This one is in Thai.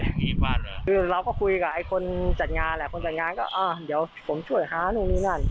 คือเราก็คุยกับไอ้คนจัดงานแหละคนจัดงานก็อ่าเดี๋ยวผมช่วยหานู่นนี่นั่น